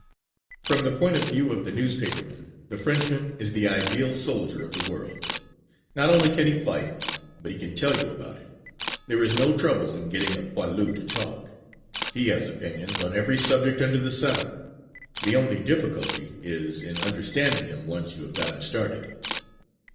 From the point of view of the newspaperman the Frenchman is the ideal soldier of the world. Not only can he fight, but he can tell you about it. There is no trouble in getting a poilu to talk. He has opinions on every subject under the sun. The only difficulty is in understanding him once you have got him started.